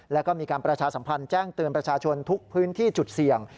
แล้วก็มีการประชาสัมพันธ์แจ้งเตือนประชาชนทุกพื้นที่จุดเสี่ยง